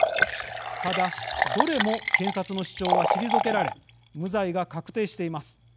ただどれも検察の主張は退けられ無罪が確定しています。